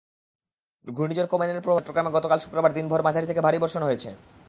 ঘূর্ণিঝড় কোমেনের প্রভাবে চট্টগ্রামে গতকাল শুক্রবার দিনভর মাঝারি থেকে ভারী বর্ষণ হয়েছে।